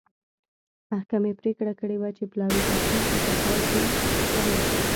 محکمې پرېکړه کړې وه چې پلاوي تشکیل په ټکر کې دی.